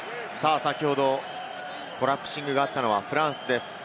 先ほどコラプシングがあったのはフランスです。